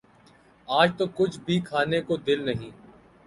آج تو کچھ بھی کھانے کو دل نہیں